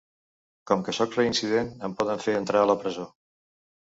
Com que sóc reincident, em poden fer entrar a la presó.